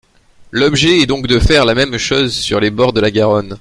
L’objet est donc de faire la même chose sur les bords de la Garonne.